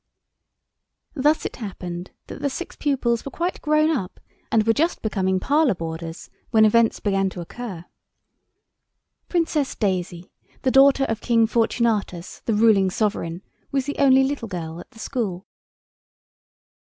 Thus it happened that the six pupils were quite grown up and were just becoming parlour boarders when events began to occur. Princess Daisy, the daughter of King Fortunatus, the ruling sovereign, was the only little girl in the school.